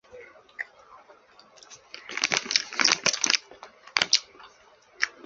中国国民党籍。